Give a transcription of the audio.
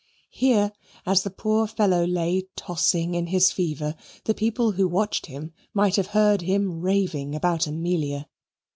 Here, as the poor fellow lay tossing in his fever, the people who watched him might have heard him raving about Amelia.